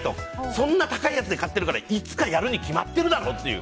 そんな高いやつ買ってるからいつかやるにきまってるだろと。